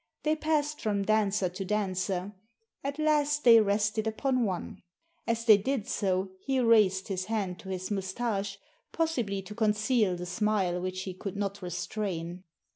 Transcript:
They passed from dancer to dancer. At last they rested upon one. As they did so he raised his hand to his moustache, possibly to conceal the smile which he could not restrain.